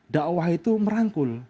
da'wah itu merangkul